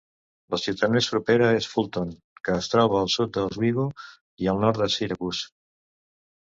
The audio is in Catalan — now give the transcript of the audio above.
La ciutat més propera és Fulton, que es troba al sud d'Oswego i al nord de Syracuse.